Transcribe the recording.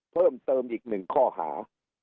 เพิ่มเติมอีก๑ข้อหา